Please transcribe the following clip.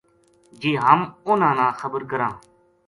جے ہم اُنھاں نا خبر کراں